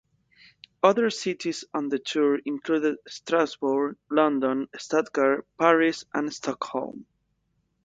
Other cities on the tour included Strasbourg, London, Stuttgart, Paris and Stockholm.